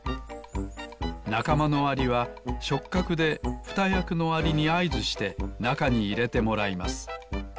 なかまのアリはしょっかくでふたやくのアリにあいずしてなかにいれてもらいます。